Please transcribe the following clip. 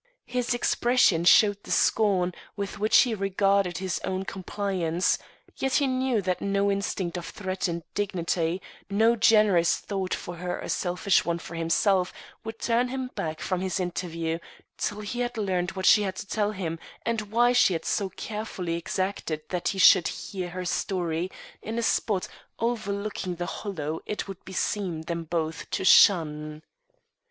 His expression showed the scorn with which he regarded his own compliance, yet he knew that no instinct of threatened dignity, no generous thought for her or selfish one for himself would turn him back from this interview till he had learned what she had to tell him and why she had so carefully exacted that he should hear her story in a spot overlooking the Hollow it would beseem them both to shun.